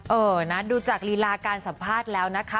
เออนะดูจากลีลาการสัมภาษณ์แล้วนะคะ